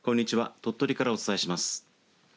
鳥取からお伝えします。